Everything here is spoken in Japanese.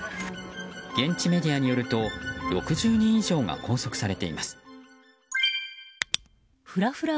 現地メディアによると６０人以上が拘束されています。